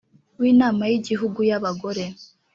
w inama y igihugu y abagore